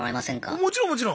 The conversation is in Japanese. もちろんもちろん！